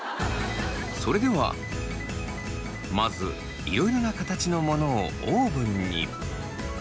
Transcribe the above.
それではまずいろいろな形のものをオーブンに。